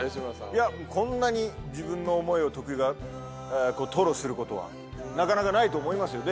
いやこんなに自分の思いを徳井が吐露する事はなかなかないと思いますよ。